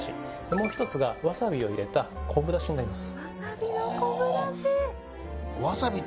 もう１つがワサビを入れた昆布だしになります。